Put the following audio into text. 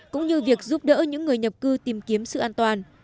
cũng như việc giúp đỡ những người nhập cư tìm kiếm sự an toàn